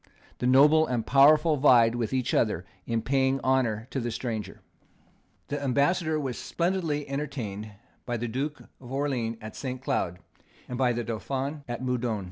The noble and powerful vied with each other in paying honour to the stranger. The Ambassador was splendidly entertained by the Duke of Orleans at St. Cloud, and by the Dauphin at Meudon.